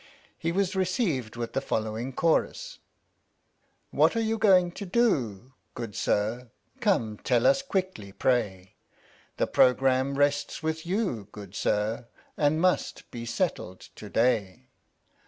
He was received with the following chorus : What are you going to do, good sir, Come tell us quickly pray The programme rests with you, good sir, And must be settled to day.